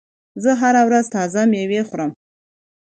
زه هره ورځ تازه میوه خورم.